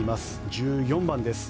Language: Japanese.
１４番です。